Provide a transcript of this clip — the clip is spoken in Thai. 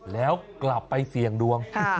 แล้วกลับไปเสี่ยงดวง